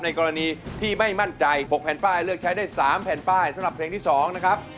กรณีที่ไม่มั่นใจ๖แผ่นป้ายเลือกใช้ได้๓แผ่นป้ายสำหรับเพลงที่๒นะครับ